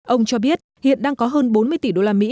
ông cho biết hiện đang có hơn bốn mươi tỷ đô la mỹ